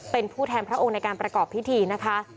เป็นผู้แทนพระองค์ในการประกอบพิธีนะคะ